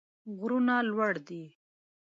غره لوړي دي.